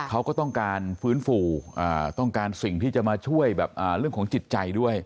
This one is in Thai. เขาก็ต้องการฟื้นฟูต้องการสิ่งที่จะมาช่วยแบบเรื่องของจิตใจด้วย